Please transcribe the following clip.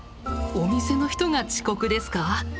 お店の人が遅刻ですか！？